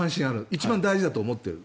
一番大事だと思っている。